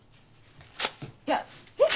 いやえっ？